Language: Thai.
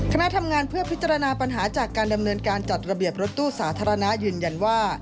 คณะทำงานเพื่อพิจารณาปัญหาจากการดำเนินการจัดระเบียบรถตู้สาธารณะยืนยันว่า